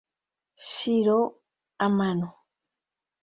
Shiro Amano